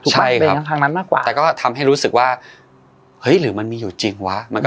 ใช่ครับแต่ก็ทำให้รู้สึกว่าหรือมันมีอยู่จริงวะ